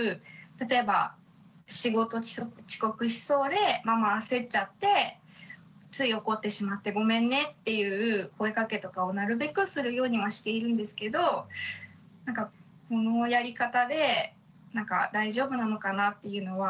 例えば仕事遅刻しそうでママ焦っちゃってつい怒ってしまってごめんねっていう声かけとかをなるべくするようにはしているんですけどこのやり方で大丈夫なのかなっていうのはやっぱりすごく不安に思っています。